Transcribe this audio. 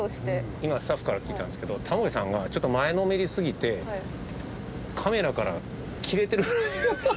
今スタッフから聞いたんですけどタモリさんがちょっと前のめりすぎてカメラから切れてる。